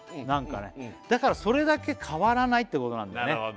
何かねだからそれだけ変わらないってことなんだね